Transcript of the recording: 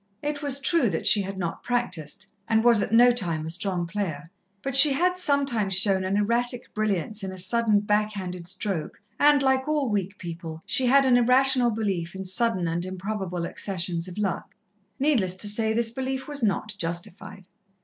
It was true that she had not practised, and was at no time a strong player, but she had sometimes shown an erratic brilliance in a sudden, back handed stroke and, like all weak people, she had an irrational belief in sudden and improbable accessions of luck. Needless to say, this belief was not justified.